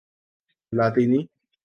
لاطینی